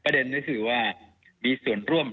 ประเด็นนี่คือว่ามีส่วนร่วม